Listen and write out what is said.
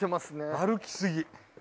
歩きすぎ。